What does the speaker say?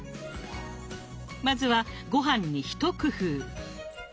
まずはごはんに一工夫。